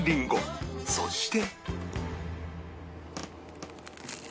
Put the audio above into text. そして